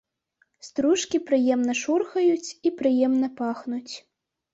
Стружкі прыемна шурхаюць і прыемна пахнуць.